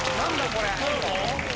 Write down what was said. これ。